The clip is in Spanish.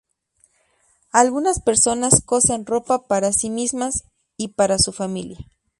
Algunas personas cosen ropa para sí mismas y para su familia.